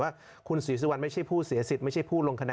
ว่าคุณศิษย์วัลไม่ใช่ผู้เสียสิทธิ์ไม่ใช่ผู้ลงคะแนน